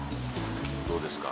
どうですか？